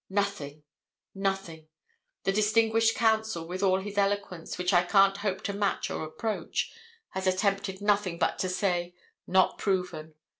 Nothing, nothing. The distinguished counsel, with all his eloquence, which I can't hope to match or approach, has attempted nothing but to say, "Not proven."